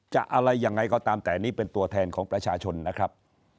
อะไรยังไงก็ตามแต่อันนี้เป็นตัวแทนของประชาชนนะครับ